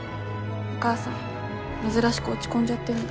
お母さん珍しく落ち込んじゃってるの。